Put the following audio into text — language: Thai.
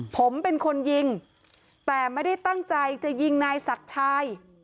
ผมเป็นคนยิงแต่ไม่ได้ตั้งใจจะยิงนายศักดิ์ชาย